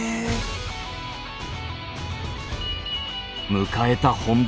⁉迎えた本番。